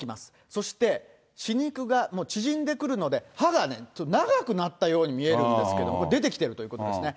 そして歯肉が縮んでくるんで、歯がね、長くなったように見えるんですけど、出てきてるということですね。